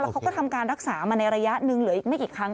เขาก็ทำการรักษามาในระยะหนึ่งเหลืออีกไม่กี่ครั้ง